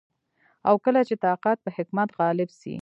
او کله چي طاقت په حکمت غالب سي